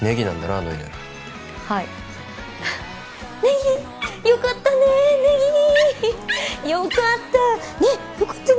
あの犬はいネギ！よかったねえネギよかったねっよかったね